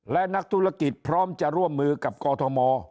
และนักธุรกิจพร้อมจะร่วมมือกับกอทม